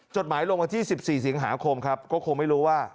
จดหมายลงวันที่๑๔สิงหาคมครับก็คงไม่รู้ว่า